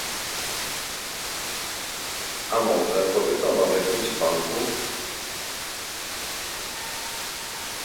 A może pożyczono w jakimś banku?